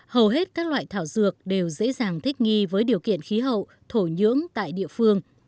hầu hết các loại thảo dược đều dễ dàng thích nghi với điều kiện khí hậu thổ nhưỡng tại địa phương